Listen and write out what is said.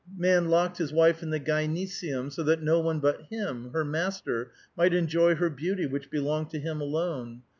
Man locked his wife in the gynecium, so that no one but him, her master, might enjoy her beauty, which belonged to him alone.